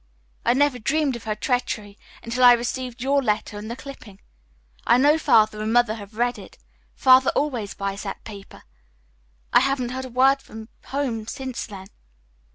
"I never dreamed of her treachery until I received your letter and the clipping. I know Father and Mother have read it. Father always buys that paper. I haven't heard a word from home since then."